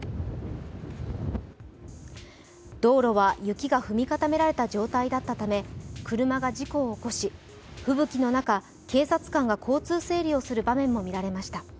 道路は、雪が踏み固められた状態だったため、車が事故を起こし、吹雪の中、警察官が交通整理をする場面も見られました。